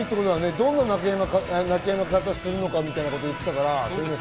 どんな泣きやみ方をするのかみたいなこと言ってたから。